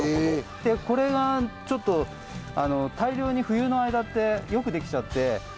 これがちょっと大量に冬の間ってよくできちゃって余るんですよ。